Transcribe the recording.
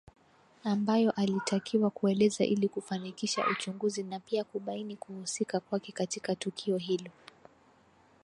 ambayo alitakiwa kueleza ili kufanikisha uchunguzi na pia kubaini kuhusika kwake katika tukio hilo